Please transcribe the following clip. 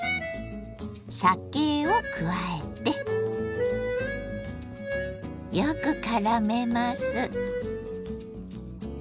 酒を加えてよくからめます。